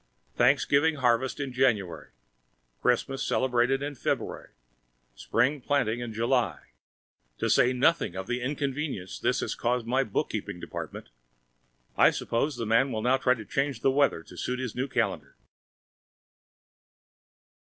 Thanksgiving harvest in January. Christmas celebration in February. Spring planting in July! To say nothing of the inconvenience this has caused in my bookkeeping department! I suppose the man will now try to change the weather to suit his new calendar!